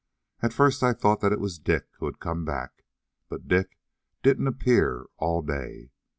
At first I thought that it was Dick, who had come back. But Dick didn't appear all day.